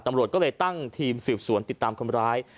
ตำรวจก็เลยตั้งทีมสืบสวนติดตามคนร้าย